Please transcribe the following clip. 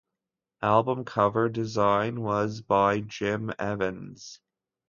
Album cover design was by Jim Evans.